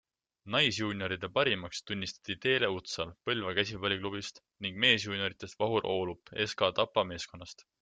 Naisjuunioride parimaks tunnistati Teele Utsal Põlva Käsipalliklubist ning meesjuunioridest Vahur Oolup SK Tapa meeskonnast.